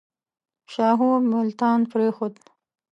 شاهو ملتان پرېښود.